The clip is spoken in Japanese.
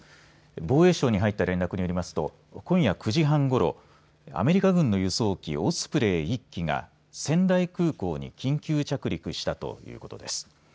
防衛省に入った連絡によりますと今夜９時半ごろアメリカ軍の輸送機オスプレイ１機が仙台空港に緊急着陸したということです。